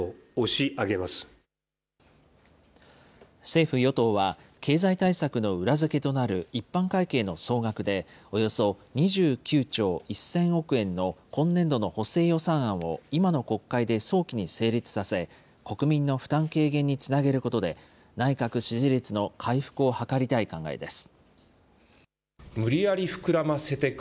政府・与党は、経済対策の裏付けとなる一般会計の総額でおよそ２９兆１０００億円の今年度の補正予算案を今の国会で早期に成立させ、国民の負担軽減につなげることで、内閣支持率の回復を図りたい考えです。